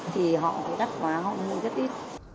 thì họ thì đắt quá họ nên rất ít